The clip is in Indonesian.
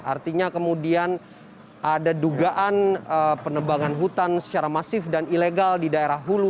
artinya kemudian ada dugaan penebangan hutan secara masif dan ilegal di daerah hulu